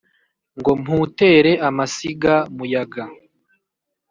Ngo mputere amasiga muyaga